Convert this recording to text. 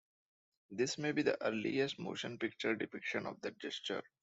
This may be the earliest motion picture depiction of that gesture.